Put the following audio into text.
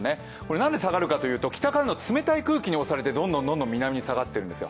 なんで下がるかというと、北からの冷たい空気に押されてどんどん南に下がっているんですよ。